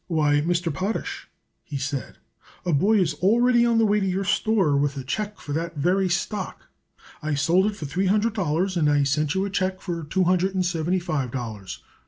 "Why, Mr. Potash," he said, "a boy is already on the way to your store with a check for that very stock. I sold it for three hundred dollars and I sent you a check for two hundred and seventy five dollars.